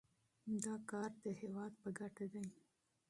دا کار د هیواد په ګټه دی.